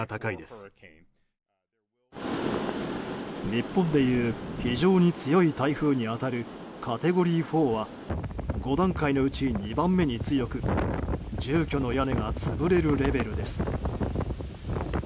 日本でいう非常に強い台風に当たるカテゴリー４は５段階のうち２番目に強く住居の屋根が潰れるレベルです。